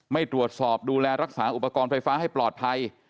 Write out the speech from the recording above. ไม่ตรวจสอบดูแลรักษาอุปกรณ์ไฟฟ้าให้ปลอดภัย